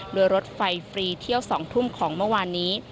ด้วยรถไฟล์ฟรีเที่ยวสองทุ่มของเมื่อวันนี้